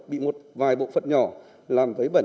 bị một vài bộ phận nhỏ làm vấy bẩn